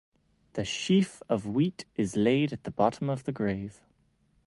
The sheaf of wheat is laid at the bottom of the grave.